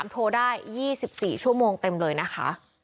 ๐๘๐๗๗๕๒๖๗๓โทรได้๒๔ชั่วโมงเต็มเลยนะคะ